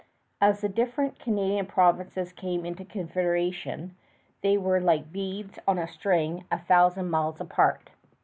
As the different Canadian provinces came into Confederation they were like beads on a string a thousand miles apart.